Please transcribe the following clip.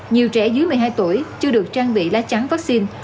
nhiều trẻ dưới một mươi hai tuổi chưa được trang bị lá trắng vaccine